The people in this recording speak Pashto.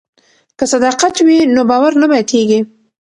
که صداقت وي نو باور نه ماتیږي.